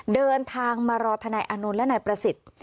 เดินทางมารอทนายอานนท์และนายประสิทธิ์